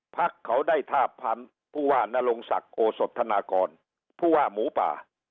พักเขาได้ทาบพันธุ์ผู้ว่านรงศักดิ์โอสธนากรผู้ว่าหมูป่า